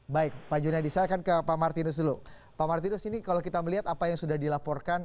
baik pak junadi saya akan ke pak martinus dulu pak martinus ini kalau kita melihat apa yang sudah dilaporkan